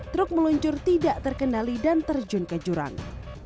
truk meluncur tidak terkendali dan terjun ke jurang